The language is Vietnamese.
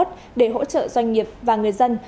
để hỗ trợ doanh nghiệp và người dân